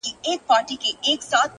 • وینم د زمان په سرابو کي نړۍ بنده ده ,